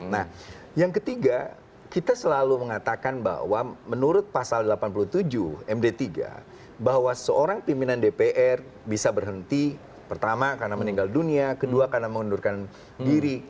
nah yang ketiga kita selalu mengatakan bahwa menurut pasal delapan puluh tujuh md tiga bahwa seorang pimpinan dpr bisa berhenti pertama karena meninggal dunia kedua karena mengundurkan diri